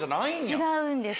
違うんです